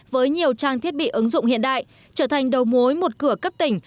với nhiều trang thiết bị ứng dụng hiện đại trở thành đầu mối một cửa cấp tỉnh